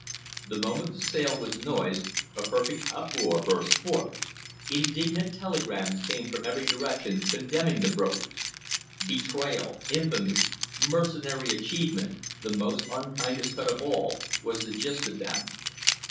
The moment the sale was noised a perfect uproar burst forth. Indignant telegrams came from every direction condemning the brokers. "Betrayal," "infamy," "mercenary achievement," "the most unkindest cut of all," was the gist of them.